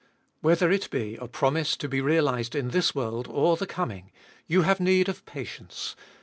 Whether it be a promise to be realised in this world or the coming, you have need of patience.